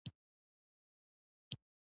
نو ځکه به ما ته راته.